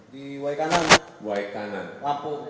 di wairangan pak